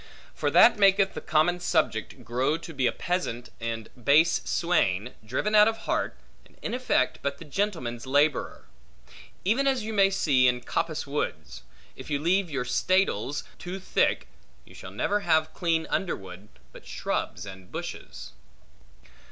For that maketh the common subject, grow to be a peasant and base swain, driven out of heart, and in effect but the gentleman's laborer. Even as you may see in coppice woods; if you leave your staddles too thick, you shall never have clean underwood, but shrubs and bushes.